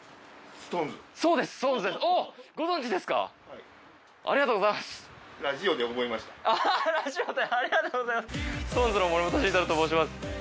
ＳｉｘＴＯＮＥＳの森本慎太郎と申します。